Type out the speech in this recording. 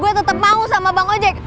gue tetap mau sama bang ojek